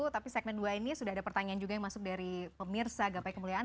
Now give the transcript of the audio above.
tapi segmen dua ini sudah ada pertanyaan juga yang masuk dari pemirsa gapai kemuliaan